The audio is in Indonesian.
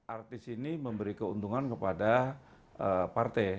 artis ini memberi keuntungan kepada partai